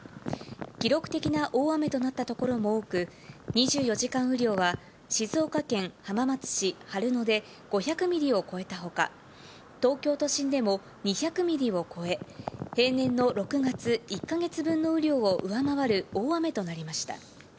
記録的な大雨となった所も多く、２４時間雨量は静岡県浜松市春野で５００ミリを超えたほか、東京都心でも２００ミリを超え、平年の６月１か月分の雨量を上回る大雨となりました。